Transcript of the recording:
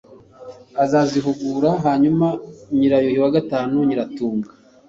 Azazihugura hanyuma NYIRAYUHI IV NYIRATUNGA